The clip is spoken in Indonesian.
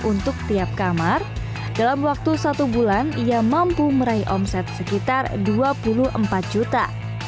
untuk tiap kamar dalam waktu satu bulan ia mampu meraih omset sekitar dua puluh empat juta